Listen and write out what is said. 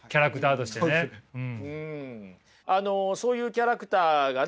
あのそういうキャラクターがね